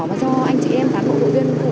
mà cho anh chị em cán bộ hội viên